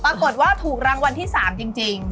ปรากฏว่าถูกรางวัลที่๓จริง